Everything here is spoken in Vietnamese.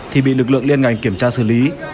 thì bị lực lượng liên ngành kiểm tra xử lý